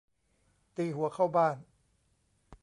ตีหัวเข้าบ้าน